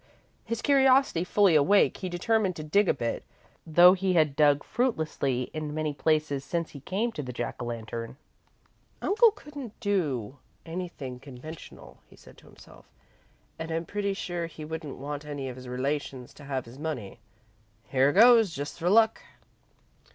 His curiosity fully awake, he determined to dig a bit, though he had dug fruitlessly in many places since he came to the Jack o' Lantern. "Uncle couldn't do anything conventional," he said to himself, "and I'm pretty sure he wouldn't want any of his relations to have his money. Here goes, just for luck!"